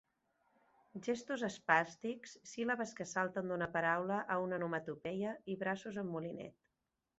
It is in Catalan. Gestos espàstics, síl·labes que salten d'una paraula a una onomatopeia i braços en molinet.